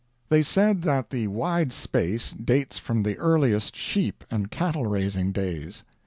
They said that the wide space dates from the earliest sheep and cattle raising days.